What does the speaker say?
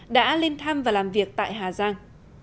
đã lên thăm và làm việc tại hà giang